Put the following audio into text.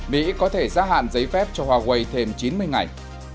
mỹ có thể gia hạn giấy phép cho huawei thêm chín mươi ngày